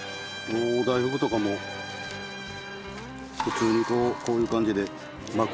大福とかも普通にこういう感じで巻く。